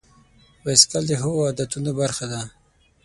بایسکل د ښو عادتونو برخه ده.